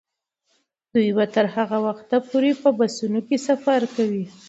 دوی به تر هغه وخته پورې په بسونو کې سفر کوي.